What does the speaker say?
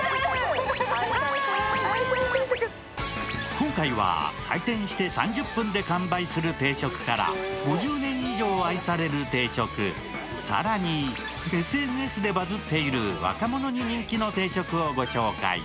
今回は開店して３０分で完売する定食から、５０年以上愛される定食、更に、ＳＮＳでバズっている若者に人気の定食をご紹介。